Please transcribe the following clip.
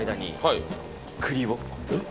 えっ